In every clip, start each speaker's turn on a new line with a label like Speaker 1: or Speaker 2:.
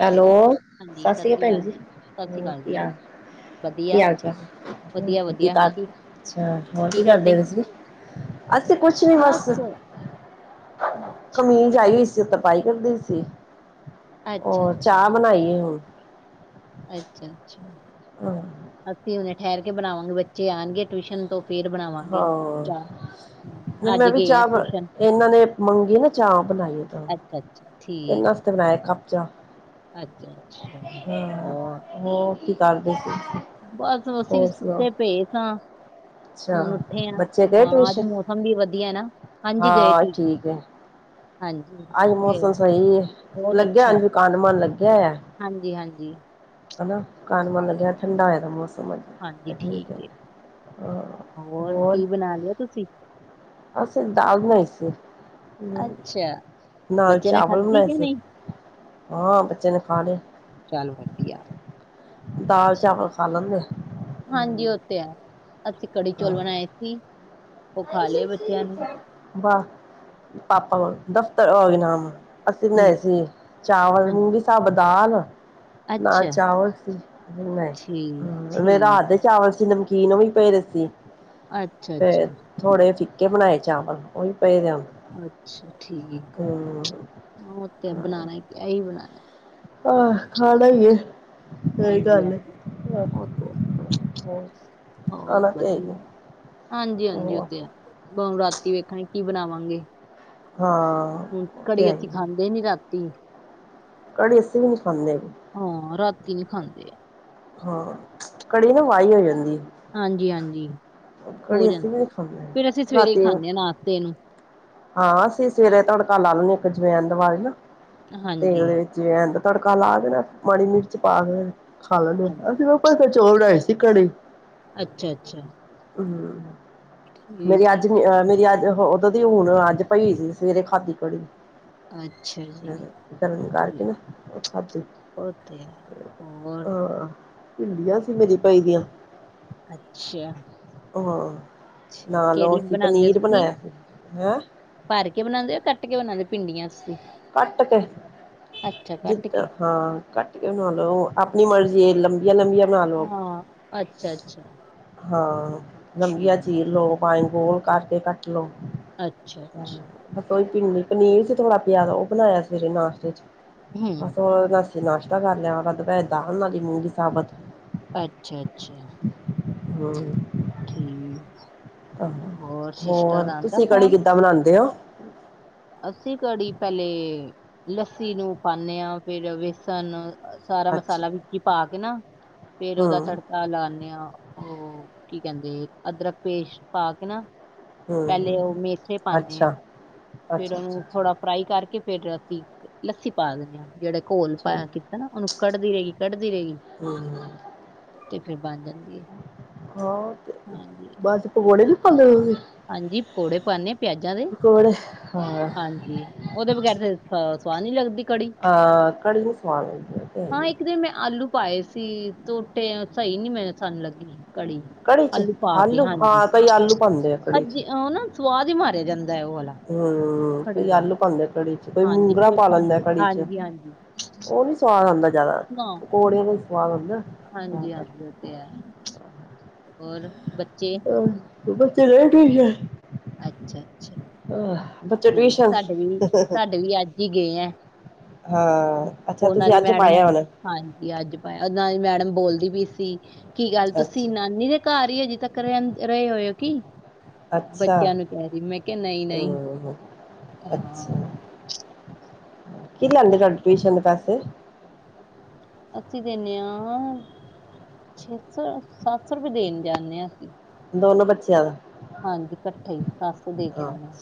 Speaker 1: Hello, ਸਤਿ ਸ੍ਰੀ ਅਕਾਲ ਭੈਣ ਜੀ। ਹੋ ਕੀ ਹਾਲ। ਕੀ
Speaker 2: ਵਧੀਆ,
Speaker 1: ਹਾਲ -ਚਾਲ,
Speaker 2: ਵਧੀਆ,
Speaker 1: ਕੀ
Speaker 2: ਵਧੀਆ
Speaker 1: ਕਰ ਹੋਰ ਕੀ ਕਰਦੇ ਹੋ ਤੁਸੀਂ? ਅਸੀਂ ਕੁਛ ਨੀ ਬਸ,
Speaker 2: ਅੱਛਾ,
Speaker 1: ਕਮੀਜ਼ ਆਈ। ਤਰਪਾਈ ਕਰਦੀ ਸੀ।
Speaker 2: ਅੱਛਾ, ਅੱਛਾ,
Speaker 1: ਉਹ ਚਾਹ ਬਣਾਈਏ ਹੁਣ।
Speaker 2: ਅੱਛਾ -ਅੱਛਾ।
Speaker 1: ਹਾਂ।
Speaker 2: ਅਸੀਂ ਹੁਨੇ ਠਹਿਰ ਕੇ ਬਣਾਵਾਂਗੇ ਬੱਚੇ ਆਉਣਗੇ ਟਿਊਸ਼ਨ ਤੋਂ। ਫੇਰ ਬਣਾਵਾਂਗੇ।
Speaker 1: ਹਾਂ।
Speaker 2: ਚਾਹ ਹੂੰ,
Speaker 1: ਨਹੀਂ
Speaker 2: ਅੱਜ
Speaker 1: ਮੈਂ ਵੀ
Speaker 2: ਗਏ ਆ
Speaker 1: ਚਾਹ ਬ
Speaker 2: ਟਿਊਸ਼ਨ
Speaker 1: ਇਹਨਾਂ ਨੇ ਮੰਗੀ ਨਾ ਚਾਹ ਬਣਾਈ। ਤਾਂ
Speaker 2: ਅੱਛਾ- ਅੱਛਾ।
Speaker 1: ਇਹਨਾਂ
Speaker 2: ਠੀਕ ਐ
Speaker 1: ਵਸਤੇ ਬਣਾਇਆ ਕੱਪ ਚਾਹ।
Speaker 2: ਅੱਛਾ- ਅੱਛਾ
Speaker 1: ਹਾਂ
Speaker 2: ਹੋਰ
Speaker 1: ਹੋਰ ਕੀ ਕਰਦੇ ਸੀ?
Speaker 2: ਬਸ, ਅਸੀਂ ਵੀ
Speaker 1: ਹੋਰ ਸੁਣਾਓ
Speaker 2: ਸੁੱਤੇ ਪਏ ਸਾਂ।
Speaker 1: ਅੱਛਾ
Speaker 2: ਹੁਣ ਉੱਠੇ ਆ।
Speaker 1: ਬੱਚੇ ਗਏ
Speaker 2: ਹਾਂ, ਅੱਜ
Speaker 1: ਟਿਊਸ਼ਨ
Speaker 2: ਮੌਸਮ ਵੀ ਵਧੀਆ ਨਾ, ਹਾਂਜੀ ਗਏ
Speaker 1: ਹਾਂ
Speaker 2: ਕੀ। ਹਾਂਜੀ।
Speaker 1: ਅਜ ਮੌਸਮ ਸਹੀ।
Speaker 2: ਬਹੁਤ
Speaker 1: ਲੱਗਿਆ
Speaker 2: ਅੱਛਾ ਹੈ।
Speaker 1: ਅਨਕੰਡ ਮਣ ਲੱਗਿਆ ਹੈ।
Speaker 2: ਹਾਂਜੀ, ਹਾਂਜੀ,
Speaker 1: ਹਨਾ। ਕਨ- ਮੰਨ ਗਿਆ
Speaker 2: ਹਾਂਜੀ
Speaker 1: ਠੰਡਾ ਹੋਏ ਦਾ ਮੌਸਮ।
Speaker 2: ਹਾਂਜੀ
Speaker 1: ਠੀਕ ਹੈ।
Speaker 2: ਏ
Speaker 1: ਹਾਂ
Speaker 2: ਹੋਰ ਕੀ ਬਣਾ ਲਿਆ ਤੁਸੀਂ?
Speaker 1: ਅਸੀ ਦਾਲ ਬਨੀ ਸੀ।
Speaker 2: ਅੱਛਾ।
Speaker 1: ਨਾਲ
Speaker 2: ਬੱਚੇ ਨੇ
Speaker 1: ਚਾਵਲ
Speaker 2: ਖਾਧੀ
Speaker 1: ਬਣਾਏ
Speaker 2: ਕਿ
Speaker 1: ਸੀ।
Speaker 2: ਨਹੀਂ
Speaker 1: ਹਾਂ, ਬੱਚੇ ਨੇ ਖਾ ਲਿਆ।
Speaker 2: ਚੱਲ ਵਧੀਆ
Speaker 1: ਦਾਲ ਚਾਵਲ ਖਾ ਲੈਂਦੇ ਆ।
Speaker 2: ਹਾਂਜੀ, ਉਹ ਤੇ ਹੈ। ਅਸੀਂ ਕੜੀ ਚੌਲ
Speaker 1: ਹਾਂ
Speaker 2: ਬਣਾਏ ਸੀ। ਉਹ ਖਾ ਲਿਆ ਬੱਚਿਆਂ ਨੇ।
Speaker 1: ਵਾਹ! ਪਾਪਾ ਕੋਲੋਂ ਦਫ਼ਤਰ ਵੀ ਨਾਮ ਅਸੀ
Speaker 2: ਹਮ
Speaker 1: ਬਣਾਏ ਸੀ, ਚਾਵਲ,
Speaker 2: ਹਾਂਜੀ
Speaker 1: ਮੂਗ ਸਾਭਤ ਦਾਲ ਨਾਲ
Speaker 2: ਅੱਛਾ
Speaker 1: ਚਾਵਲ ਸੀ,
Speaker 2: ਠੀਕ
Speaker 1: ਮੇਰਾ ਰਾਤ
Speaker 2: ਠੀਕ
Speaker 1: ਦੇ ਚਾਵਲ ਸੀ। ਕੀ ਨੂੰ ਵੀ ਪਏ ਦੇਸੀ।
Speaker 2: ਹੈ ਅੱਛਾ ਅੱਛਾ
Speaker 1: ਫ ਥੋੜੇ ਫਿੱਕੇ ਬਣਾਏ ਚਾਵਲ। ਉਹ ਵੀ ਪਏ ਦੇ ਹੁਣ
Speaker 2: ਅੱਛਾ, ਠੀਕ ਐ। ਤੇ ਬਣਾਣਾ ਐਹੀ ਬਣਾਣਾ।
Speaker 1: ਆਹ! ਖਾਣਾ ਹੀ ਹੈ।
Speaker 2: ਹਾਂਜੀ-ਹਾਂਜੀ। ਉਹ ਤੇ ਹੋਰ
Speaker 1: ਖਾਣਾ
Speaker 2: ਵਧੀਆ।
Speaker 1: ਤੇ ਹੈ ਹੀ ਏ
Speaker 2: ਹਾਂਜੀ- ਹਾਂਜੀ ਉੱਥੇ ਆ। ਰਾਤੀ ਵੇਖਾਂਗੇ ਕੀ ਬਣਾਵਾਂਗੇ।
Speaker 1: ਹਾਂ।
Speaker 2: ਹਾਂ,
Speaker 1: ਉਹ ਤੇ
Speaker 2: ਕੜੀ
Speaker 1: ਹੈ
Speaker 2: ਅਸੀਂ
Speaker 1: ਹੀ
Speaker 2: ਖਾਂਦੇ ਨੀ ਰਾਤੀ।
Speaker 1: ਕੜੀ ਅਸੀ ਵੀ ਨੀ ਖਾਉਂਦੇਗੇ।
Speaker 2: ਹਾਂ ਰਾਤੀ ਨੀ ਖਾਂਦੇ ਆ।
Speaker 1: ਹਾਂ ਕੜੀ ਨਾ ਵਹੀ ਹੋ ਜਾਂਦੀ।
Speaker 2: ਹਾਂਜੀ-ਹਾਂਜੀ ਹੋ
Speaker 1: ਕੜੀ ਅਸੀਂ ਵੀ
Speaker 2: ਜਾਂਦੀ
Speaker 1: ਨੀ
Speaker 2: ਹੈ,
Speaker 1: ਖਾਂਦੇ
Speaker 2: ਫਿਰ ਅਸੀਂ ਸਵੇਰੇ
Speaker 1: ਰਾਤੀ
Speaker 2: ਖਾਂਦੇ ਹਾਂ ਨਾਸ਼ਤੇ ਨੂੰ
Speaker 1: ਹਾਂ ਅਸੀਂ ਸਵੇਰੇ ਤੁਹਾਡੇਕਾਰ ਲਾ ਲੈਦੇ ਐ, ਇੱਕ ਜਵੈਨ ਦੀਵਾਲੀ ਨਾ ਤੇਲ
Speaker 2: ਹਾਂਜੀ
Speaker 1: ਦੇ ਵਿੱਚ ਜੇ ਐਦਾ ਤੜਕਾ ਲਾ ਦੇਣਾ ਮਾੜੀ ਮਿਰਚ ਪਾ ਕੇ ਖਾ ਲੈਦੇ
Speaker 2: ਹਾਂਜੀ
Speaker 1: ਆ, ਅਸੀਂ ਫ ਚੋਲ ਆਏ ਸੀ ਘੜੇ
Speaker 2: ਅੱਛਾ, ਅੱਛਾ,
Speaker 1: ਹੂੰ ਮੇਰੀ
Speaker 2: ਠੀਕ
Speaker 1: ਅੱਜ, ਹ ਮੇਰੀ ਅੱਜ ਉਦੋਂ ਦੀ ਹੁਣ ਅੱਜ ਪਈ ਸੀ, ਸਵੇਰੇ ਖਾੀ ਕੜੀ-
Speaker 2: ਅੱਛਾ ਜੀ
Speaker 1: ਗਰਮ ਕਰਕੇ
Speaker 2: ਠੀਕ
Speaker 1: ਨਾ ਉਹ ਖਾਧੀ,
Speaker 2: ਉਹ ਤੇ ਹੈ ਹੋਰ
Speaker 1: ਹਾਂ। ਭਿੰਡੀਆਂ ਸੀ ਮੇਰੀ ਪਾਈ ਦੀਆਂ,
Speaker 2: ਅੱਛਾ,
Speaker 1: ਹਾਂ
Speaker 2: ਠੀਕ
Speaker 1: ਨਾਲ ਉਹ
Speaker 2: ਕਿਹੜੀ
Speaker 1: ਅਸੀ
Speaker 2: ਬਣਾਉਂਦੇ
Speaker 1: ਪਨੀਰ
Speaker 2: ਹੋ ਤੁਸੀਂ
Speaker 1: ਬਣਾਇਆ ਸੀ ਹੈਂ।
Speaker 2: ਭਰ ਕੇ ਬਣਾਦੇ ਕੱਟ ਕੇ ਬਣਾਦੇ ਭਿੰਡੀਆਂਂ,
Speaker 1: ਕੱਟ ਕੇ ਜਿੱਦਾਂ
Speaker 2: ਕੇ
Speaker 1: ਹਾਂ ਕੱਟ ਕੇ ਲਓ, ਆਪਣੀ ਮਰਜ਼ੀ ਐ ਜਾਂ ਲੰਬੀਆਂ ਬਣਾ ਲਓ,
Speaker 2: ਹਾਂ ਅੱਛਾ ਅੱਛਾ
Speaker 1: ਹਾਂ
Speaker 2: ਠੀਕ
Speaker 1: ਲੰਬੀਆਂ ਚੀਰ ਲਉ। ਬਾਂਗੋਲ ਕਰਕੇ ਕੱਟ ਲਓ।
Speaker 2: ਅੱਛਾ, ਅੱਛਾ,
Speaker 1: ਬਸ ਉਹਹੀ
Speaker 2: ਠੀਕ।
Speaker 1: ਪੀ ਪਨੀਰ ਸੀ, ਥੋੜਾ ਪਿਆ ਉਹ ਬਣਾਇਆ ਸਵੇਰੇ ਨਾਸ਼ਤੇ ਚ
Speaker 2: ਹਮ
Speaker 1: ਬਸ ਅ ਨਾਸ਼ਤਾ ਕਰ ਲਿਆ, ਵਾਲਾ ਦਾਲ ਪੈਏ ਦਾ ਵਾਲੀ ਮੂੰਗੀ ਸਾਬਤ
Speaker 2: ਅੱਛਾ, ਅੱਛਾ,
Speaker 1: ਹੂੰ,
Speaker 2: ਠੀਕ ਆ,
Speaker 1: ਆਹ ਹੋਰ ਤੁਸੀਂ
Speaker 2: ਫੋਨ
Speaker 1: ਕੜੀ ਕਿੱਦਾਂ ਬਣਾਦੇ ਹੋ?
Speaker 2: ਅਸੀਂ ਕੜੀ ਪਹਿਲੇ ਲੱਸੀ ਨੂੰ ਪਾਦੇ ਹਾਂ ਫੇਰ ਬੇਸਣ, ਸਾਰਾ
Speaker 1: ਅੱਛਾ
Speaker 2: ਮਸਾਲਾ ਵਿੱਚ ਹੀ ਪਾ ਕੇ ਨਾ ਫੇਰ ਉਹਦਾ
Speaker 1: ਹਮ
Speaker 2: ਤੜਕਾ, ਲਾਦੇ ਆ ਉਹ ਕੀ ਕਹਿੰਦੇ ਅਦਰਕ ਪੇਸਟ ਪਾ ਕੇ ਨਾ, ਪਹਿਲੇ ਉਹ
Speaker 1: ਹਮ
Speaker 2: ਮੇਥੇ ਪਾਉਦੇ
Speaker 1: ਅੱਛਾ
Speaker 2: ਆ। ਫੇਰ
Speaker 1: ਅੱਛਾ ਅੱਛਾ
Speaker 2: ਉਹਨੂੰ
Speaker 1: ਅੱਛਾ
Speaker 2: ਥੋੜਾ ਫਰਾਈ ਕਰਕੇ ਫੇਰ ਅਸੀਂ ਲੱਸੀ ਪਾ ਦਿੰਦੇ ਹਾਂ ਜਿਹੜਾ ਘੋਲ ਪਾਇਆ
Speaker 1: ਠੀਕ
Speaker 2: ਕੀਤਾ, ਨਾ ਉਹਨੂੰ ਕੱਢਦੀ ਰਹੇਗੀ ਕੱਢਦੀ ਰਹੇਗੀ।
Speaker 1: ਹਮ
Speaker 2: ਤੇ ਫੇਰ ਬਣ ਜਾਂਦੀ ਹੈ।
Speaker 1: ਹੋਰ,
Speaker 2: ਹਾਂਜੀ,
Speaker 1: ਉੜਲ ਪੱਲ
Speaker 2: ਹਾਂਜੀ, ਪਕੌੜੇ ਪਾਦੇ ਪਿਆਜਾਂ ਦੇ
Speaker 1: ਹਾਂ
Speaker 2: ਹਾਂਜੀ ਉਹਦੇ ਬਗੈਰ ਹਹ ਸਵਾਦ ਨੀ ਲੱਗਦੀ ਕੜੀ
Speaker 1: ਹਾਂ ਕੜੀ ਨੀ ਸਵਾਦ ਲੱਗਦੀ ਉਹ ਤੇ ਹੈ
Speaker 2: ਹਾਂ
Speaker 1: ਹੀ
Speaker 2: ਇੱਕ ਦਿਨ ਮੈਂ ਆਲੂ ਪਾਏ ਸੀ ਤੋਟੇ ਸਹੀ ਨੀ ਮੈ ਸਾਨੂੰ ਲੱਗੀ।
Speaker 1: ਕੜੀ ਚ ਆਲੂ ਹਾਂ ਤਾਂਈ ਆਲੂ ਪਾਉਂਦੇ ਆ ਕੜੀ ਚ
Speaker 2: ਆਹ ਨਾ ਸੁਵਾਦ ਹੀ ਮਾਰਿਆ ਜਾਂਦਾ ਉਹ ਵਾਲਾ
Speaker 1: ਹੁ
Speaker 2: ਕੜੀ
Speaker 1: ਕੋਈ
Speaker 2: ਦਾ
Speaker 1: ਆਲੂ ਪਾਉਂਦੇ ਕੜੀ ਚ ਕੋਈ
Speaker 2: ਹਾਂਜੀ
Speaker 1: ਮੂੰਗਰਾ
Speaker 2: ਕੋਈ
Speaker 1: ਪਾ ਲੈਂਦਾ
Speaker 2: ਪਾਂਦੇ
Speaker 1: ਕੜੀ ਚ
Speaker 2: ਹਾਂਜੀ ਹਾਂਜੀ
Speaker 1: ਉਹ ਨੀ ਸਵਾਦ ਆਉਂਦਾ ਜਿਆਦਾ
Speaker 2: ਨਾ
Speaker 1: ਪਕੌੜੇ ਦਾ ਸਵਾਦ ਆਉਂਦਾ।
Speaker 2: ਔ ਤੇ ਹੈ। ਔਰ ਬੱਚੇ
Speaker 1: ਆਹ ਬੱਚੇ ਲੇਟ ਹੋਈ ਆ।
Speaker 2: ਅੱਛਾ, ਅੱਛਾ ਠੀਕ
Speaker 1: ਟਿਊਸ਼ਨ
Speaker 2: ਸਾਡੇ ਵੀ ਸਾਡੇ ਵੀ ਅੱਜ ਹੀ ਗਏ ਹੈ।
Speaker 1: ਹਾਂ ਅੱਛਾ
Speaker 2: ਉਹਨਾਂ
Speaker 1: ਤੁਸੀਂ
Speaker 2: ਦੀ
Speaker 1: ਅੱਜ
Speaker 2: ਮੈਡਮ
Speaker 1: ਪਾਇਆ ਹੁਣ
Speaker 2: ਹਾਂਜੀ ਅੱਜ ਪ ਉਹਨਾਂ ਦੀ ਮੈਡਮ ਬੋਲਦੀ ਵੀ ਸੀ। ਕੀ ਗੱਲ ਤੁਸੀਂ
Speaker 1: ਅੱਛਾ
Speaker 2: ਨਾਨੀ ਦੇ ਘਰ ਹੀ ਹਜੇ ਤੱਕ ਰਹੇ ਹੋਏ ਹੋ ਕਿ ਬੱਚਿਆਂ ਨੂੰ ਕਹਿਦੀ ਮੈਂ ਕਿਹਾ ਨਹੀਂ ਨਹੀਂ
Speaker 1: ਹਾਂ
Speaker 2: ਹਾਂ
Speaker 1: ਅੱਛਾ। ਕੀ ਲੈਂਦੇ ਤੁਹਾਡੇ ਟਿਊਸ਼ਨ ਦੇ ਪੈਸੇ
Speaker 2: ਅਸੀਂ ਦਿੰਦੇ ਹਾਂ ਛੇ ਸੌ ਸੱਤ ਸੌ ਰੁਪਏ ਦੇਣ ਜਾਂਦੇ ਹਾਂ ਅਸੀਂ
Speaker 1: ਦੋਨੋ ਬੱਚਿਆਂ ਦਾ
Speaker 2: ਹਾਂਜੀ ਇਕੱਠਾ ਹੀ ਸਤਸੋ ਦੇ ਕੇ ਆਉਂਦੇ ਹਾਂ।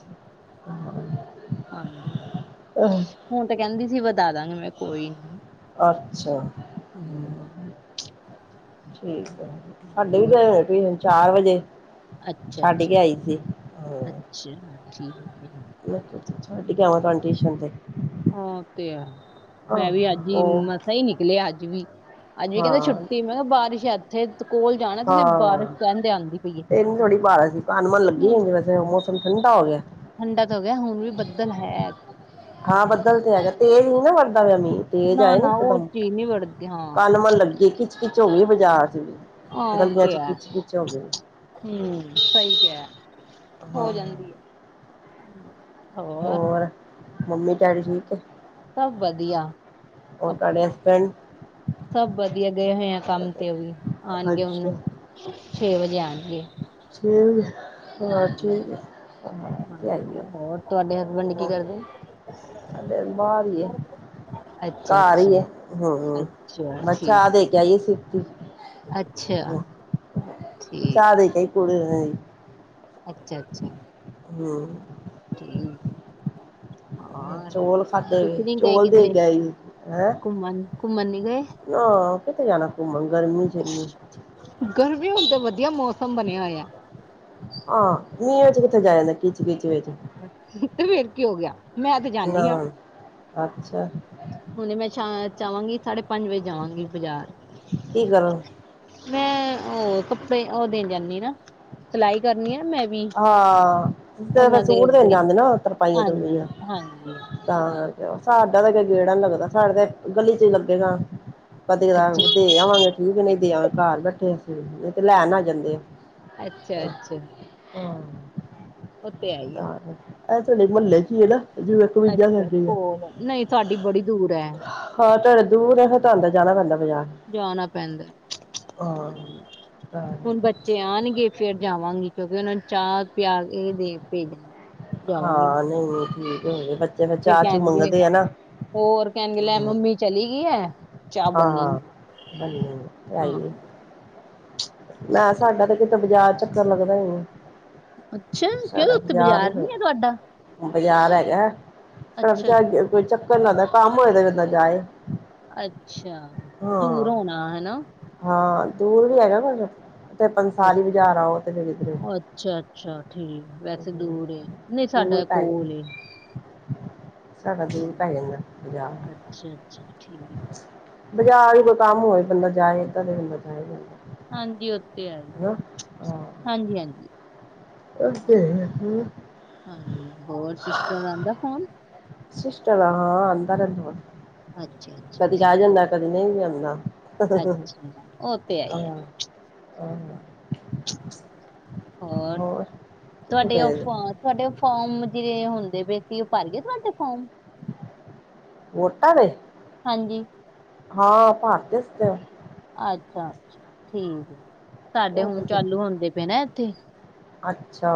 Speaker 1: ਹਹ [unintelligible]
Speaker 2: ਹਾਂਜੀ ਹੁਣ ਤੇ ਕਹਿੰਦੀ ਸੀ ਵਦਾ ਦਾਂਗੇ ਮੈਂ ਕੋਈ ਨੀ
Speaker 1: ਅੱਛਾ ਹਮ ਠੀਕ ਹੈ ਸਾਡੇ ਵੀ
Speaker 2: ਹੋਰ
Speaker 1: ਗਏ ਹੋਣੇ ਤੁ ਹ ਚਾਰ ਵਜੇ
Speaker 2: ਅੱਛਾ,
Speaker 1: ਛੱਡ
Speaker 2: ਅੱਛਾ,
Speaker 1: ਕੇ ਆਈ ਸੀ ਹਾਂ
Speaker 2: ਅੱਛਾ ਠੀਕ ਹੈ।
Speaker 1: ਮੈਂ ਛੱਡ ਕੇ ਆਵਾਂ ਤੁਹਾਾਨੂੰ ਟਿਊਸ਼ਨ ਤੇ
Speaker 2: ਉਹ ਤੇ ਆ
Speaker 1: ਹਾਂ
Speaker 2: ਮੈਂ ਵੀ ਅੱਜ ਹੀ
Speaker 1: ਉਹ
Speaker 2: ਮਸਾ ਹੀ ਨੀ ਨਿਕਲੇਿਆ ਅੱਜ ਵੀ ਅੱਜ ਵੀ ਕਹਿੰਦੇ
Speaker 1: ਹਾਂ
Speaker 2: ਛੁੱਟੀ ਮੈਂ ਕਿਹਾ ਬਾਰਿਸ਼ ਇੱਥੇ ਕੋਲ ਜਾਣਾ ਤੁਸੀਂ ਬਾਰਿਸ਼
Speaker 1: ਹਾਂ
Speaker 2: ਕਹਿੰਦੇ ਆਉਂਦੀ ਪਈ ਹੈ
Speaker 1: ਇਹਨੂੰ ਥੋੜ੍ਹੀ ਭਾਰ ਸੀ ਕਨਮਨ ਲੱਗੀ
Speaker 2: ਹਮ
Speaker 1: ਹੁੰਦੀ ਵੈਸੇ ਮੌਸਮ ਠੰਡਾ ਹੋ ਗਿਆ।
Speaker 2: ਠੰਡਾ ਤਾਂ ਹੋ ਗਿਆ ਹੁਣ ਵੀ ਬੱਦਲ ਹੈ।
Speaker 1: ਹਾਂ ਬਦਲ ਤੇ ਹੈਗਾ। ਤੇਜ਼ ਨੀ ਨਾ ਵਰਦਾ ਮੀਹ ਤੇਜ
Speaker 2: ਨਾ
Speaker 1: ਆਏ ਨ
Speaker 2: ਨਾ ਉਹ
Speaker 1: ਇਕਦਮ
Speaker 2: ਚੀਜ਼ ਨਹੀਂ ਵੜਦੀ ਹਾਂ
Speaker 1: ਕੱਲ ਮਨ ਲੱਗੇ ਕਿ ਖਿੱਚ ਖਿੱਚ ਹੋ ਗਈ ਬਾਜ਼ਾਰ ਚ ਵੀ
Speaker 2: ਹਾਂ ਉਹ
Speaker 1: ਗਲੀਆਂ
Speaker 2: ਤੇ
Speaker 1: ਚ
Speaker 2: ਹੈ
Speaker 1: ਖਿੱਚ ਖਿੱਚ ਹੋ ਗਈ।
Speaker 2: ਹਮ ਸਹੀ ਕਿਹਾ
Speaker 1: ਹਾਂ
Speaker 2: ਹੋ ਜਾਂਦੀ ਆ ਹ
Speaker 1: ਹੋਰ ਮੰਮੀ ਡੈਡੀ ਠੀਕ?
Speaker 2: ਸਭ ਵਧੀਆ।
Speaker 1: ਔਰ ਤੁਹਾਡੇ ਹਸਬੈਂਡ
Speaker 2: ਸਭ ਵਧੀਆ ਗਏ ਹੋਏ ਆ ਕੰਮ ਤੇ ਵੀ ਆਉਣਗੇ
Speaker 1: ਅੱਛਾ
Speaker 2: ਹੁਣ ਛੇ ਵਜੇ ਆਣਗੇ।
Speaker 1: ਠੀਕ ਹਾਂ ਠੀਕ ਹਾਂ ਤੇ
Speaker 2: ਹਾਂ
Speaker 1: ਆਈਏ
Speaker 2: ਹੋਰ ਤੁਹਾਡੇ ਹਸਬੈਂਡ ਕੀ
Speaker 1: ਹੋਰ
Speaker 2: ਕਰਦੇ?
Speaker 1: ਸਾਡੇ ਬਾਹਰਏ
Speaker 2: ਅੱਛਾ
Speaker 1: ਘਰ
Speaker 2: ਅੱਛਾ
Speaker 1: ਹੀ ਹੈਹਾ
Speaker 2: ਅੱਛਾ
Speaker 1: ਮੈ ਚਾਹ
Speaker 2: ਠੀਕ
Speaker 1: ਦੇ ਕੇ ਆਈ ਸੀ।
Speaker 2: ਅੱਛਾ। ਠੀਕ
Speaker 1: ਚਾਹ ਦੇ ਕੇ ਆਈ
Speaker 2: ਅੱਛਾ, ਅੱਛਾ।
Speaker 1: ਹੁ
Speaker 2: ਠੀਕ।
Speaker 1: ਚੌਲ ਖਾਧੇ ਵੇ
Speaker 2: ਤੁਸੀ ਨਹੀ ਗਏ
Speaker 1: ਚੌਲ ਦੇ
Speaker 2: ਕਿਧਰੇ
Speaker 1: ਕੇ ਆਈ ਹੈਂ
Speaker 2: ਘੁੰਮਣ ਘੁੰਮਣ ਨੀ ਗਏ
Speaker 1: ਨਾ ਕਿਥੇ ਜਾਣਾ ਘੁੰਮਣ ਗਰਮੀ ਚ ਇਨੀ
Speaker 2: ਗਰਮੀ ਹੁਣ ਤੇ ਵਧੀਆ ਮੌਸਮ ਬਣਿਆ ਹੋਇਆ।
Speaker 1: ਹਾਂ ਮੀਹ ਵਿੱਚ ਕਿੱਥੇ ਜਾਆ ਜਾਂਦਾ ਕੀਚ ਕੀਚ ਵਿੱਚ
Speaker 2: ਤੇ ਫੇਰ ਕਿ ਹੋ ਗਿਆ ਮੈਂ ਤੇ
Speaker 1: ਨਾ
Speaker 2: ਜਾਂਦੀ ਹਾਂ।
Speaker 1: ਅੱਛਾ,
Speaker 2: ਹੁਣੇ ਮੈਂ ਚ ਚਵਾਂਗੀ ਸਾਢੇ ਪੰਜ ਵਜੇ ਜਾਵਾਂਗੀ ਬਾਜ਼ਾਰ।
Speaker 1: ਕੀ ਕਰਨ
Speaker 2: ਮੈਂ ਉਹ ਕੱਪੜੇ ਉਹ ਦੇਣ ਜਾਂਦੀ ਨਾ ਸਿਲਾਈ ਕਰਨੀ ਆ ਮੈਂ ਵੀ
Speaker 1: ਹਾਂ ਫ
Speaker 2: ਉਹਨਾਂ ਦੇ
Speaker 1: ਸੂਟ ਦੇਣ
Speaker 2: ਅੱਗੇ
Speaker 1: ਜਾਂਦੇ ਨਾ ਤਰਪਾਈਆਂ
Speaker 2: ਹਾਂਜੀ
Speaker 1: ਤਰਪਈਆਂ।
Speaker 2: ਹਾਂਜੀ
Speaker 1: ਤਾਂ ਕਰਕੇ ਸਾਡਾ ਤਾਂ ਗੇੜਾ ਨੀ ਲੱਗਦਾ ਸਾਡੇ ਤੇ ਗਲੀ ਚ ਲੱਗੇਗਾ। ਪਦੇ
Speaker 2: ਅੱਛਾ
Speaker 1: ਦੇ ਆਵਾਂਗੇ ਠੀਕ ਨਹੀਂ ਦੇ ਆਵਾਂਗੇ ਘਰ ਬੈਠੇ ਅ ਨਹੀਂ ਤੇ ਲੈਣ ਆ ਜਾਂਦੇ ਆ।
Speaker 2: ਅੱਛਾ ਅੱਛਾ,
Speaker 1: ਹੂੰ,
Speaker 2: ਉਹ ਤੇ ਹੈ ਹੀ ਆ
Speaker 1: ਇਹ ਤੁਹਾਡੇ ਮਹੱਲੇ ਚ ਹੀ ਹੈ ਨਾ। ਜਿਵੇਂ ਕਮੀਜ਼ਾਂ
Speaker 2: ਅੱਛਾ
Speaker 1: ਮਿਲਦੀਆਂ
Speaker 2: ਕੋਲ ਨਹੀਂ ਸਾਡੀ ਬੜੀ ਦੂਰ ਹੈ।
Speaker 1: ਹਾਂ ਤੁਹਾਡੇ ਦੂਰ ਆ ਫ ਤਾਂ ਆਦਰ ਜਾਣਾ ਪੈਂਦਾ ਬਜ਼ਾਰ
Speaker 2: ਜਾਣਾ ਪੈਂਦਾ
Speaker 1: ਹੈ।
Speaker 2: ਹਾਂਜੀ
Speaker 1: ਤਾਂ
Speaker 2: ਹੁਣ ਬੱਚੇ ਆਉਣਗੇ ਫੇਿਰ ਜਾਵਾਂਗੀ ਕਿਉਂਕਿ ਉਹਨਾਂ ਨੂੰ ਚਾਹ ਪਿਆ ਇਹ ਦੇ ਭੇਜਣਾ। ਜਾਵਾਂਗੀ
Speaker 1: ਹਾਂ, ਨਹੀਂ ਠੀਕ ਹੈਗੇ ਬੱਚੇ ਫਿਰ ਚਾਹ ਚੂ ਮੰਗਦੇ ਆ ਨਾ।
Speaker 2: ਹੋਰ ਕਹਿਣਗੇ ਲੈ ਮੰਮੀ ਚਲੀ ਗਈ ਐ ਚਾਹ ਬੰਨੀ।
Speaker 1: ਬਣ ਗਈ
Speaker 2: ਹਾਂ
Speaker 1: [unintelligible] ਨਾ,
Speaker 2: ਉੱਥੇ
Speaker 1: ਸਾਡਾ ਤੇ ਕਿਤੇ ਬਾਜਾਰ ਚੱਕਰ ਲੱਗਦਾ ਈ ਨੀ।
Speaker 2: ਅੱਛਾ, ਕਿਉਂ ਉੱਥੇ ਬਾਜ਼ਾਰ ਨੀ ਆ
Speaker 1: ਹੈਗਾ
Speaker 2: ਤੁਹਾਡਾ
Speaker 1: ਬਾਜ਼ਾਰ ਹੈਗਾ
Speaker 2: ਅੱਛਾ
Speaker 1: ਸਾਡਾ
Speaker 2: ਅੱਛਾ
Speaker 1: ਕੋਈ ਚੱਕਰ ਨੀ ਲਗਦਾ ਕੰਮ ਹੋਏ ਤਾਂ ਬੰਦਾ ਜਾਏ।
Speaker 2: ਅੱਛਾ ਦੂਰ
Speaker 1: ਹਾਂ
Speaker 2: ਹੋਣਾ ਹਨਾ।
Speaker 1: ਹਾਂ, ਦੂਰ ਵੀ ਹੈਗਾ ਕੁ ਪੰਸਾਲੀ ਬਾਜ਼ਾਰ ਆਓ ਤੇ ਫਿਰ ਇਧਰ
Speaker 2: ਅੱਛਾ ਅੱਛਾ, ਠੀਕ ਵੈਸੇ ਦੂਰ ਐ। ਨਹੀਂ,
Speaker 1: ਦੂਰ
Speaker 2: ਸਾਡਾ
Speaker 1: ਪੈ
Speaker 2: ਕੋਲ
Speaker 1: ਜਾਂਦਾ
Speaker 2: ਐ
Speaker 1: ਸਾਡਾ ਦੂਰ ਪੈ ਜਾਂਦਾ ਬਾਜ਼ਾਰ
Speaker 2: ਅੱ ਅੱਛਾ ਅੱਛਾ, ਠੀਕ ਆ।
Speaker 1: ਬਾਜ਼ਾਰ ਕੋਈ ਕੰਮ ਹੋਵੇ ਬੰਦਾ ਜਾਏ ਏਦਾਂ [unintelligible] ਜਾਂਦਾ
Speaker 2: ਹਾਂਜੀ ਉੱਥੇ ਹੈਗੀ,
Speaker 1: ਹਨਾ
Speaker 2: ਹਾਂਜੀ ਹਾਂਜੀ,
Speaker 1: ਅੱਛਾ ਹੂੰ,
Speaker 2: ਹੋਰ ਸਿਸਟ ਆਂਦਾ ਫੋਨ
Speaker 1: ਸਿਸਟਲਾ ਹਾਂ ਆਂਦਾ ਰਹਿੰਦਾ।
Speaker 2: ਅੱਛਾ ਅੱਛਾ
Speaker 1: ਕਦੀ ਆ
Speaker 2: ਠੀਕ
Speaker 1: ਜਾਂਦਾ ਕਦੀ ਨਹੀਂ ਵੀ ਆਂਦਾ।
Speaker 2: ਅੱਛਾ ਉਹ ਤੇ ਹੈ ਹੀ ਹੈ
Speaker 1: ਆਹ,
Speaker 2: ਹੋਰ
Speaker 1: ਕਿੱਥੇ
Speaker 2: ਤੁਹਾਡੇ
Speaker 1: ਗਏ ਜੇ
Speaker 2: ਤੁਹਾਡੇ ਫੋਮ ਜਿਹੜੇ ਹੁੰਦੇ ਪਏ ਸੀ ਉਹ ਭਰ ਗਏ ਤੁਹਾਡੇ ਫੋਮ
Speaker 1: ਵੋਟਾਂ ਦੇ
Speaker 2: ਹਾਂਜੀ,
Speaker 1: ਹਾਂ, ਭਰ ਤੇ ਸੀਗੇ
Speaker 2: ਅੱਛਾ ਅੱਛਾ, ਠੀਕ ਸਾਡੇ
Speaker 1: ਉਹ
Speaker 2: ਹੁਣ
Speaker 1: ਤੇ
Speaker 2: ਚਾਲੂ ਹੁੰਦੇ ਪਏ ਨਾ ਇੱਥੇ
Speaker 1: ਅੱਛਾ,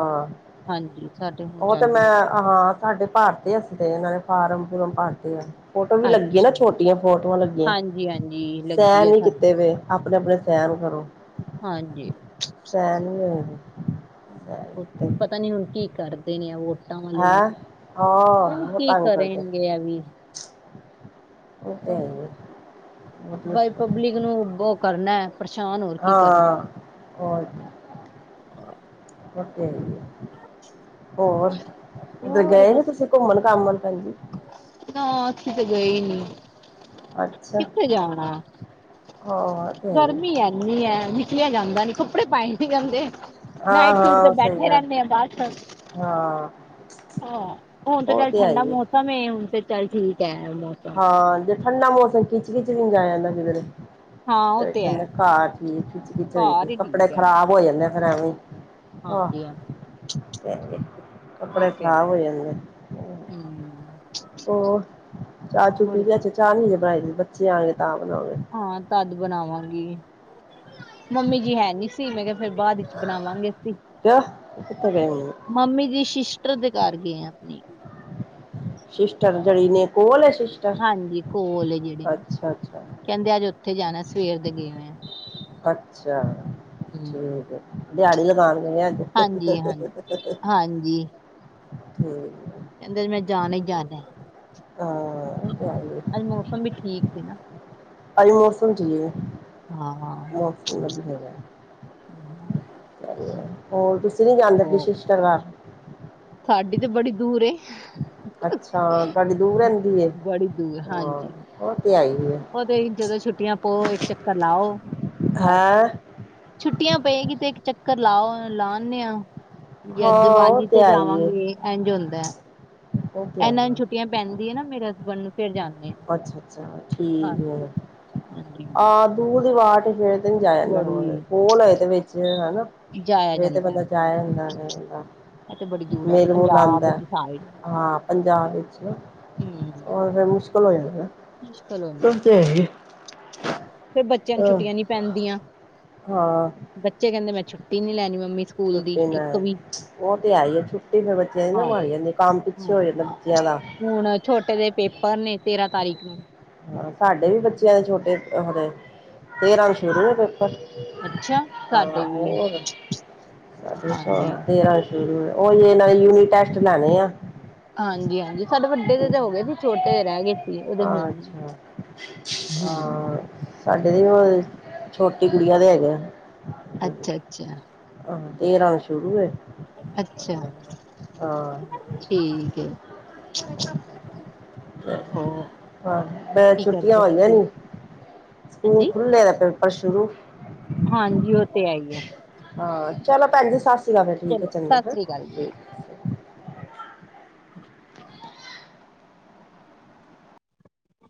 Speaker 2: ਹਾਂਜੀ, ਸਾਡੇ ਹੁਣ
Speaker 1: ਉਹ ਤੇ
Speaker 2: ਚਾਲੂ
Speaker 1: ਮੈਂ
Speaker 2: ਹੋ
Speaker 1: ਹਾਂ ਸਾਡੇ ਭਾਰਤੇ ਅਸੀਂ ਨੇ ਫਾਰਮ ਫੁਰਮ ਭਰਤੇ ਆ। ਫੋਟੋ ਵੀ ਲੱਗੀ
Speaker 2: ਅੱਛਾ
Speaker 1: ਨਾ ਛੋਟੀਆਂ ਫੋਟੋਆਂ ਲੱਗੀਆਂ
Speaker 2: ਹਾਂਜੀ ਹਾਂਜੀ ਲੱਗੀ
Speaker 1: ਸੈਨ
Speaker 2: ਆ
Speaker 1: ਨੀ
Speaker 2: ਸਾਡੀ
Speaker 1: ਕੀਤੇ
Speaker 2: ਵੀ।
Speaker 1: ਪਏ। ਆਪਣੇ ਆਪਣੇ ਸੈਨ ਕਰੋ।
Speaker 2: ਹਾਂਜੀ,
Speaker 1: ਸੈਨ ਨੀ ਹੋਏ ਪਏ
Speaker 2: ਹਾਂਜੀ, ਪਤਾ ਨੀ ਹੁਣ ਕੀ ਕਰਦੇ ਨੇ ਓ
Speaker 1: ਹੈਂ ਹਾਂ
Speaker 2: [unintelligible]
Speaker 1: ਬਹੁਤ
Speaker 2: ਕੀ
Speaker 1: ਤੰਗ ਕਰਦੇ
Speaker 2: ਕਰੇਗੇ ਐ ਵੀ।
Speaker 1: ਉਹ ਤੇ ਹੈ ਹੀ ਬਹੁਤ
Speaker 2: ਬਾਈ
Speaker 1: ਮੁਸ਼ਕਿਲ
Speaker 2: ਪਬਲਿਕ ਨੂੰ ਉਹ ਕਰਨਾ ਪਰੇਸ਼ਾਨ ਹੋ।
Speaker 1: ਹਾਂ ਹੋ
Speaker 2: ਹਾਂ,
Speaker 1: ਹੋਰ ਉੱਧਰ
Speaker 2: ਹੋਰ
Speaker 1: ਗਏ ਨੀ
Speaker 2: ਬ-
Speaker 1: ਤੁਸੀਂ। ਘੁੰਮਣ ਘਾਮਣ ਭੈਣ ਜੀ।
Speaker 2: ਨਾ ਅਸੀਂ ਤੇ ਗਈ ਨੀ।
Speaker 1: ਅੱਛਾ।
Speaker 2: ਕਿੱਥੇ ਜਾਣਾ
Speaker 1: ਹਾਂ ਉਹ ਤੇ ਹੈ ਹੀ
Speaker 2: ਗਰਮੀ ਇਨੀ ਐ। ਨਿਕਲਿਆ ਜਾਂਦਾ ਨੀ ਕੱਪੜੇ ਪਾਏ ਨੀ ਜਾਂਦੇ।
Speaker 1: ਹਾਂ
Speaker 2: ਨਾਈਟ ਸੂਟ ਤੇ
Speaker 1: ਹਾਂ ਸਹੀ
Speaker 2: ਬੈਠੇ
Speaker 1: ਗੱਲ
Speaker 2: ਰਹਿੰਦੇ ਆ ਬਸ।
Speaker 1: ਹਾਂ।
Speaker 2: ਹਾਂ, ਹੁਣ ਤਾਂ
Speaker 1: ਉਹ
Speaker 2: ਚੱਲ
Speaker 1: ਤੇ ਹੈ
Speaker 2: ਠੰਡਾ
Speaker 1: ਹੀ
Speaker 2: ਮੌਸਮ ਹੁਣ ਤੇ ਚੱਲ ਠੀਕ ਐ। ਮੌਸਮ
Speaker 1: ਹਾਂ, ਜੇ ਠੰਡਾ ਮੌਸਮ ਖਿੱਚ ਖਿਚ ਵੀ [unintelligible] ਫੇਰ
Speaker 2: ਹਾਂ ਉਹ ਤੇ ਹੈ
Speaker 1: ਕਹਿੰਦੇ ਘਰ ਠੀਕ ਕਿਚ ਕਿਚ ਹੋਈ ਸੀ
Speaker 2: ਘਰ ਹੀ
Speaker 1: ਕੱਪੜੇ ਖਰਾਬ ਹੋ ਜਾਂਦੇ ਆ ਫੇਰ ਐਵੇਂ। ਆਹ
Speaker 2: ਹਾਂਜੀ-ਹਾਂਜੀ।
Speaker 1: [unintelligible] ਕੱਪੜੇ
Speaker 2: ਤੇ ਹੈ।
Speaker 1: ਖ਼ਰਾਬ ਹੋ ਜਾਂਦੇ ਆ
Speaker 2: ਹੂੰ
Speaker 1: ਹੋਰ। ਚਾਹ ਚੂ ਪੀ
Speaker 2: ਹੋਰ
Speaker 1: ਲੀ ਅੱਜ ਚਾਹ ਨੀ ਜੇ ਬਣਾਈ ਬੱਚੇ ਆਗੇ ਤਾਂ ਬਣਾਵਾਂਗੇ।
Speaker 2: ਹਾਂ ਤਦ ਬਣਾਵਾਂਗੀ। ਮੰਮੀ ਜੀ ਹੈ ਨੀ ਸੀ ਮੈਂ ਕਿਆ ਫਿਰ ਬਾਦ ਵਿੱਚ ਬਣਾਵਾਂਗੇ ਅਸੀ।
Speaker 1: ਕਿਉਂ ਕਿੱਥੇ ਗਏ ਮੰਮੀ
Speaker 2: ਮੰਮੀ ਦੀ ਸ਼ਿਸ਼ਟਰ ਦੇ ਘਰ ਗਏ ਆ ਅਪਣੀ।
Speaker 1: ਸ਼ਿਸ਼ਟਰ ਜੇੜੀ ਨੇ ਕੋਲ ਏ ਸ਼ਿਸ਼
Speaker 2: ਹਾਂਜੀ, ਕੋਲ ਏ ਜੇੜੀ
Speaker 1: ਅੱਛਾ
Speaker 2: ਕੈਂਦੇ ਅੱਜ ਉੱਥੇ ਜਾਣਾ ਸਵੇਰ ਦੇ ਗਏ ਓਏ ਆ।
Speaker 1: ਅੱਛਾ,
Speaker 2: ਹੂੰ
Speaker 1: ਠੀਕ ਦਿਆੜੀ ਲਗਾਣ ਗਈ ਅੱਜ।
Speaker 2: ਹਾਂਜੀ ਹਾਂਜੀ
Speaker 1: ਠੀਕ।
Speaker 2: ਕੈਂਦੇ ਅੱਜ ਮੈਂ ਜਾਣਾ ਈ ਜਾਣਾ।
Speaker 1: ਹਾਂ। ਦਿਹਾੜੀ
Speaker 2: ਅੱਜ ਮੌਸਮ ਵੀ ਠੀਕ ਸੀ ਨਾ।
Speaker 1: ਅਜ ਮੌਸਮ ਠੀਕ
Speaker 2: ਹਾਂ
Speaker 1: ਮੌਸਮ ਵਦੀਆ ਵੈ।
Speaker 2: [inaudible]
Speaker 1: ਹੋਰ ਤੁਸੀਂ ਨੀ ਜਾਂਦੇ ਅਪਨੀ
Speaker 2: ਹੋ
Speaker 1: ਸ਼ਿਸ਼ਟਰ ਘਰ।
Speaker 2: ਸਾਡੀ ਤੇ ਬੜੀ ਦੂਰ ਏ।
Speaker 1: ਅੱਛਾ, ਤੁਆਡੀ ਦੂਰ ਰੈਂਦੀ ਏ,
Speaker 2: ਬੜੀ
Speaker 1: ਹਾਂ ਉਹ ਤੇ ਹੈ ਈ ਏ।
Speaker 2: ਉਦੇਈ ਜਦੋਂ ਛੁੱਟੀਆਂ ਪਓ ਇੱਕ ਚੱਕਰ ਲਾਓ ਬਸ।
Speaker 1: ਹੈਂ
Speaker 2: ਛੁੱਟੀਆਂ ਪਏਗੀ ਤੇ ਇੱਕ ਚੱਕਰ ਲਾਓ ਲਾਣੇ ਆ। ਯਾਂ
Speaker 1: ਹਾਂ ਉਹ
Speaker 2: ਦੀਵਾਲੀ ਤੇ
Speaker 1: ਆਈ ਹੈ
Speaker 2: ਜਾਵਾਂਗੇ ਇੰਜ ਹੁੰਦਾ।
Speaker 1: ਉਹ ਤੇ
Speaker 2: ਇਨਾਂ
Speaker 1: ਆਈ
Speaker 2: ਨੂੰ
Speaker 1: ਹੈ
Speaker 2: ਛੁੱਟੀਆਂ ਪੈਂਦੀ ਏ ਨਾ ਮੇਰੇ ਹਸਬੈਂਡ ਨੂੰ ਫਿਰ ਜਾਨੇ ਆ,
Speaker 1: ਅੱਛਾ ਅੱਛਾ ਠੀਕ
Speaker 2: ਹਾਂਜੀ। ਹਾਂਜੀ-ਹਾਂਜੀ।
Speaker 1: ਤੂ ਦੀ ਵਾਟ ਫੇਰ ਤੇ ਨਈ ਜਾਯਾ ਜਾਂਦਾ ਰੋਜ, ਕੋਲ ਹੋਏ ਤੇ ਵਿੱਚ ਹੈਨਾ
Speaker 2: ਜਾਇਆ
Speaker 1: ਫੇਰ ਤੇ
Speaker 2: ਜਾਂਦਾ ਹੈ,
Speaker 1: ਬੰਦਾ ਜਾਯਾ ਜਾਂਦਾ ਫੇਰ ਤੋਂ।
Speaker 2: ਇਹ ਤੇ ਬੜੀ ਦੂਰ ਹੈ
Speaker 1: ਮੇਲ ਮੁਲ
Speaker 2: ਪੰਜਾਬ
Speaker 1: ਆਂਦਾ,
Speaker 2: ਦੀ ਸਾਈਡ
Speaker 1: ਹਾਂ, ਪੰਜਾਬ ਇਚ ਹੋਰ ਫੇਰ ਮੁਸ਼ ਕਲ ਹੋ ਜਾਂਦਾ ਨਾ।
Speaker 2: ਮੁਸ਼ਕਿਲ ਹੁੰਦਾ,
Speaker 1: ਉਹ ਤੇ ਹੈ ਹੀ
Speaker 2: ਫੇਰ ਬੱਚਿਆਂ ਨੂੰ
Speaker 1: ਅ
Speaker 2: ਛੁੱਟੀਆਂ ਨੀ ਪੈਂਦੀਆਂ।
Speaker 1: ਹਾਂ।
Speaker 2: ਬੱਚੇ ਕੈਂਦੇ ਮੈਂ ਛੁੱਟੀ ਨੀ ਲੈਣੀ ਮੰਮੀ ਸਕੂਲ ਦੀ ਇੱਕ ਵੀ।
Speaker 1: ਓ ਤੇ ਹੈ ਈ ਏ, ਛੁੱਟੀ ਫੇਰ ਬੱਚਿਆਂ ਦੀ ਨਾ
Speaker 2: ਹਾਂਜੀ
Speaker 1: ਮਾਰੀ ਜਾਂਦੀ ਏ, ਕੰਮ ਪਿੱਛੇ ਹੋ
Speaker 2: ਹਾਂਜੀ
Speaker 1: ਜਾਂਦਾ ਬੱਚਿਆਂ ਦਾ।
Speaker 2: ਹੁਣ ਛੋਟੇ ਦੇ ਪੇਪਰ ਨੇ ਤੇਰਾਂ ਤਾਰੀਕ ਨੂੰ।
Speaker 1: ਹਾਂ, ਸਾਡੇ ਵੀ ਬੱਚਿਆਂ ਦੇ ਛੋਟੇ ਓਦੇ ਤੇਰਾਂ ਨੂੰ ਸ਼ੁਰੂ ਏ ਪੇਪਰ।
Speaker 2: ਅੱਛਾ
Speaker 1: ਆਹ
Speaker 2: ਸਾਡੇ ਵੀ
Speaker 1: ਹੋਰ ਸਾਢੇ
Speaker 2: ਹਾਂਜੀ
Speaker 1: [unintelligible] ਤੇਰਾਂ ਨੂ ਹੂੰ, ਓਈ ਏਨਾ ਦੇ ਯੂਨਿਟ ਟੈਸਟ ਲੈਣੇ ਆ।
Speaker 2: ਹਾਂਜੀ-ਹਾਂਜੀ, ਸਾਡੇ ਵੱਡੇ ਦੇ ਤੇ ਹੋ ਗਏ ਸੀ ਛੋਟੇ ਦੇ ਰੈ ਗਏ। ਸੀ ਉਹਦੇ ਹੁਣ
Speaker 1: ਅੱਛਾ,
Speaker 2: ਹਮ
Speaker 1: ਹਾਂ। ਸਾਡੇ ਦੇ ਵੀ ਓਈ ਛੋਟੀ ਗੁੜੀਆਂ ਦੇ ਹੈਗੇ ਆ।
Speaker 2: ਅੱਛਾ-ਅੱਛਾ।
Speaker 1: ਆਹ ਤੇਰਾ ਨੂ ਸ਼ੁਰੂ ਏ।
Speaker 2: ਅਛਾ।
Speaker 1: ਹਾਂ
Speaker 2: ਠੀਕ ਏ ਹੋਰ
Speaker 1: ਹਾ, ਮੈਂ
Speaker 2: ਕੀ
Speaker 1: ਛੁੱਟੀਆਂ
Speaker 2: ਕਰਦੇ
Speaker 1: ਹੋਈਆਂ
Speaker 2: ਤੁਸੀਂ
Speaker 1: ਨੀ ਸਕੂਲ
Speaker 2: ਹਾਂਜੀ
Speaker 1: ਖੁੱਲੇ ਤੇ ਪੇਪਰ ਸ਼ੁਰੂ।
Speaker 2: ਹਾਂਜੀ ਉਹ ਤੇ ਹੈ ਹੀ ਹੈ
Speaker 1: ਹਾਂ, ਚਲੋ ਭੈਂਜੀ ਸਾਸੀ ਕਾ ਫਿਰ ਠੀਕ ਐ
Speaker 2: ਚਲੋ
Speaker 1: ਚੰਗਾ
Speaker 2: ਸਤਿ
Speaker 1: ਹੈ
Speaker 2: ਸ੍ਰੀ ਅਕਾਲ ਜੀ
Speaker 1: ਠੀਕ।